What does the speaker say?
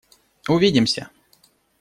Увидимся!